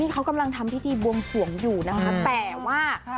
เขากำลังทำพิธีบวงสวงอยู่นะคะแต่ว่า